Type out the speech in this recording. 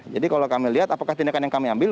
jadi kalau kami lihat apakah tindakan yang kami ambil